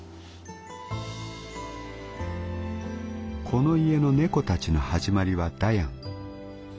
「この家の猫たちの始まりはダヤン。